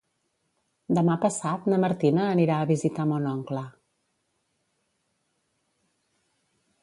Demà passat na Martina anirà a visitar mon oncle.